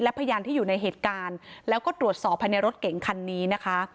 พยานที่อยู่ในเหตุการณ์แล้วก็ตรวจสอบภายในรถเก๋งคันนี้นะคะ